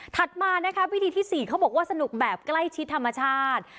มานะคะพิธีที่๔เขาบอกว่าสนุกแบบใกล้ชิดธรรมชาติ